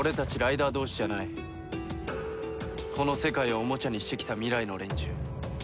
この世界をおもちゃにしてきた未来の連中。